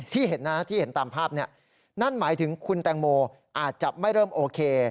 ที่เห็นตามภาพนั้นหมายถึงคุณตังโมอาจจะไม่เริ่มโอเค